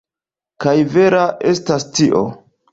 Kaj vera estas tio.